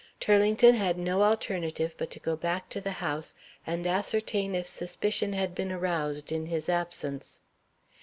Turlington had no alternative but to go back to the house, and ascertain if suspicion had been aroused in his absence.)